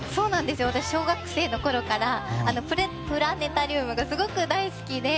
私、小学生のころから「プラネタリウム」がすごく大好きで。